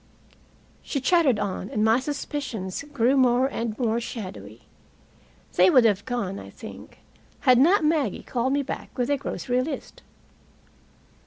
She chattered on, and my suspicions grew more and more shadowy. They would have gone, I think, had not Maggie called me back with a grocery list.